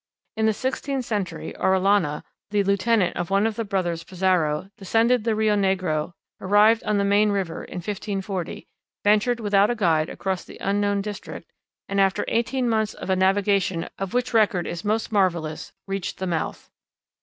In the sixteenth century Orellana, the lieutenant of one of the brothers Pizarro, descended the Rio Negro, arrived on the main river in 1540, ventured without a guide across the unknown district, and, after eighteen months of a navigation of which is record is most marvelous, reached the mouth.